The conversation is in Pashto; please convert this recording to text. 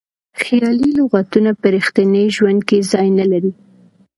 خیالي لغتونه په ریښتیني ژوند کې ځای نه لري.